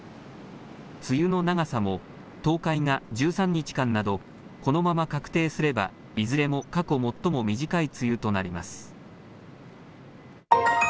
梅雨の長さも東海が１３日間などこのまま確定すればいずれも過去最も短い梅雨となります。